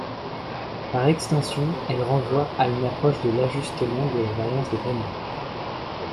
Par extension elle renvoie à une approche de l'ajustement de la balance des paiements.